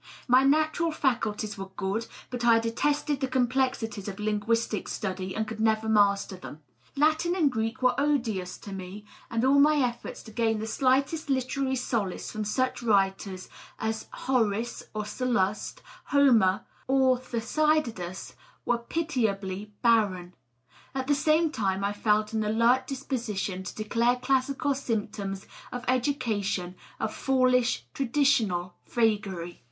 My natural faculties were good, but I detested the complexities of linguistic study, and could never master them. Latin and Greek were odious to me, and DOUGLAS DUANE. 649 all my efforts to gaia the slightest literary solace from such writers as Horace or Sallust, Homer or Thucydides, were pitiably barren. At the same time I felt an alert disposition to declare classical systems of education a foolish traditional vagary.